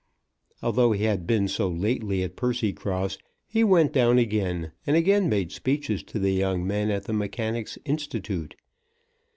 Although he had been so lately at Percycross, he went down again, and again made speeches to the young men at the Mechanics' Institute.